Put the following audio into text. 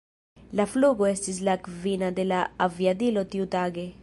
La flugo estis la kvina de la aviadilo tiutage.